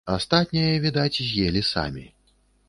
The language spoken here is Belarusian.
Астатняе, відаць, з'елі самі.